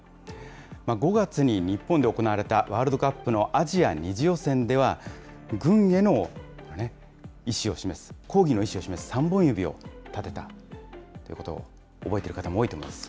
５月に日本で行われたワールドカップのアジア２次予選では、軍への意思を示す、抗議の意思を示す３本指を立てたということを、覚えている方も多いと思います。